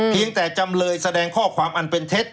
แต่จำเลยแสดงข้อความอันเป็นเท็จ